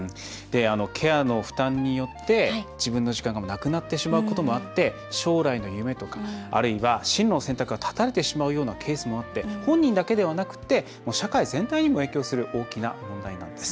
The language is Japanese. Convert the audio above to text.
ケアの負担によって自分の時間がなくなってしまうこともあって将来の夢とかあるいは進路の選択が断たれてしまうようなケースもあって本人だけではなくて社会全体にも影響する大きな問題なんです。